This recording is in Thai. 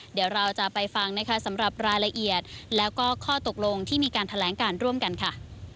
เดี๋ยวเราจะไปฟังนะคะสำหรับรายละเอียดแล้วก็ข้อตกลงที่มีการแถลงการร่วมกันค่ะ